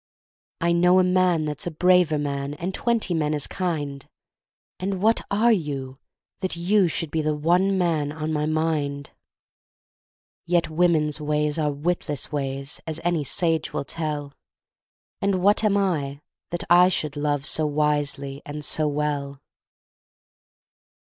I know a man that's a braver man And twenty men as kind, And what are you, that you should be The one man on my mind? Yet women's ways are witless ways, As any sage will tell, And what am I, that I should love So wisely and so well?